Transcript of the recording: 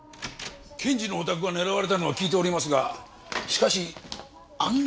検事のお宅が狙われたのは聞いておりますがしかしあんな